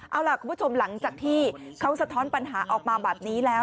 เอาล่ะคุณผู้ชมหลังจากที่เขาสะท้อนปัญหาออกมาแบบนี้แล้ว